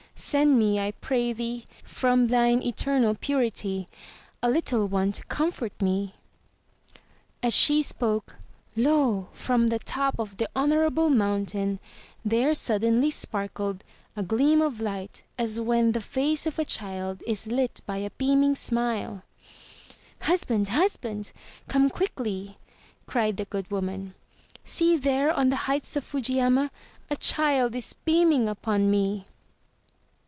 Send me, I pray thee, from thine eternal purity, a little one to comfort me." As she spoke, lo! from the top of the Honorable Mountain 179 MY BOOK HOUSE there suddenly sparkled a gleam of light as when the face of a child is lit by a beaming smile. "Husband, husband, come quickly,*' cried the good woman. "See there on the heights of Fujiyama a child is beaming upon me."